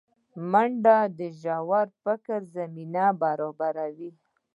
منډه د ژور فکر زمینه برابروي